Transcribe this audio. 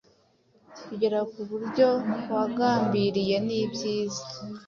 kugera kubyo wagambiriye nibyiza